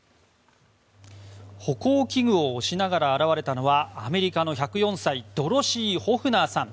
歩行器具を押しながら現れたのはアメリカの１０４歳ドロシー・ホフナーさん。